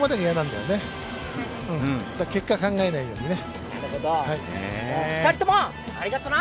だから結果考えないようにね。